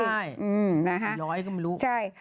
ใช่กี่ร้อยก็ไม่รู้